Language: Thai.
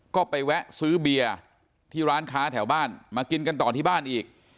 ก็ไปแวะซื้อเบียร์ที่ร้านค้าแถวบ้านมากินกันต่อที่บ้านอีก